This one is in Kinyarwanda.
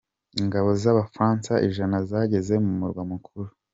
Ingabo z’Abafaransa ijana zageze mumurwa mukuru